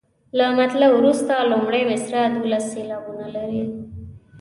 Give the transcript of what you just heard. له مطلع وروسته لومړۍ مصرع دولس سېلابونه لري.